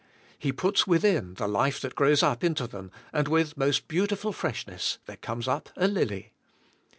He puts within the life that grows up into them and with most beautiful freshness there comes up a lily.